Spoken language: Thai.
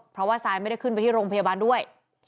เพราะว่าซายไม่ได้ขึ้นไปที่โรงพยาบาลด้วย